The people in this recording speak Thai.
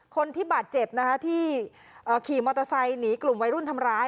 คนที่บาดเจ็บนะคะที่ขี่มอเตอร์ไซค์หนีกลุ่มวัยรุ่นทำร้าย